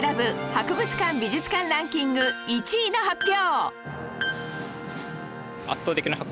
博物館・美術館ランキング１位の発表